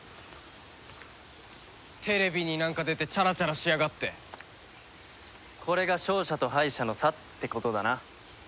テレビになんか出てチャラチャラしやがって。これが勝者と敗者の差ってことだな。